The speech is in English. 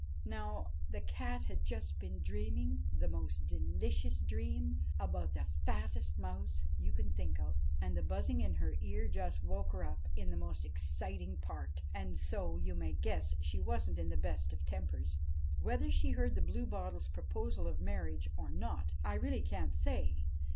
Now, the cat had just been dreaming the most delicious dream about the fattest mouse you can think of, and the buzzing in her ear just woke her up in the most exciting part. And so, you may guess, she wasn't in the best of tempers. Whether she heard the Bluebottle's proposal of marriage or not, I really can't say.